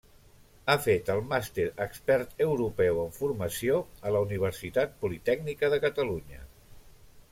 Ha fet el màster Expert europeu en formació a la Universitat Politècnica de Catalunya.